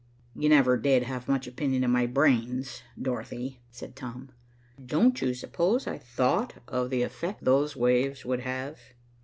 "You never did have much opinion of my brains, Dorothy," said Tom. "Don't you suppose I thought of the effect those waves would have?